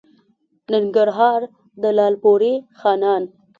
ننګرهار؛ د لالپورې خانان